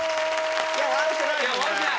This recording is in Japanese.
悪くないよ。